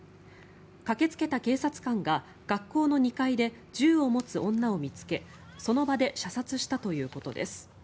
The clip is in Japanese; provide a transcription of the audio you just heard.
駆けつけた警察官が学校の２階で銃を持つ女を見つけその場で射殺したということです。